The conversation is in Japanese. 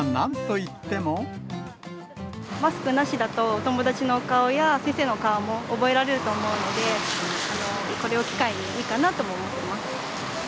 マスクなしだと、お友達のお顔や、先生の顔も覚えられると思うので、これを機会にいいかなとも思ってます。